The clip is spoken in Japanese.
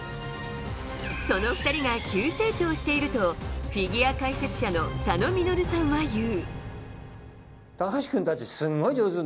その２人が急成長しているとフィギュア解説者の佐野稔さんは言う。